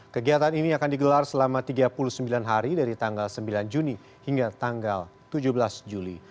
kegiatan ini akan digelar selama tiga puluh sembilan hari dari tanggal sembilan juni hingga tanggal tujuh belas juli